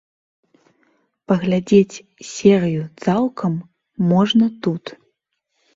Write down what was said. Паглядзець серыю цалкам можна тут.